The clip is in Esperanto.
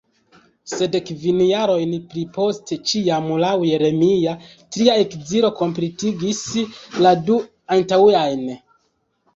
Sed kvin jarojn pliposte, ĉiam laŭ Jeremia, tria ekzilo kompletigis la du antaŭajn.